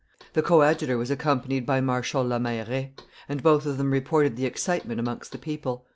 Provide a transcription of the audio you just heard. The coadjutor was accompanied by Marshal la Meilleraye; and both of them reported the excitement amongst the people.